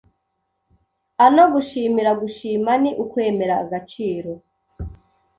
a no gushimira Gushima ni ukwemera agaciro